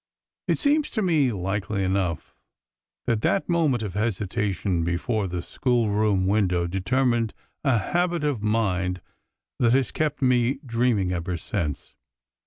It seems to me likely enough that that moment of hesitation before the schoolroom window determined a habit of mind that has kept me dreaming ever since.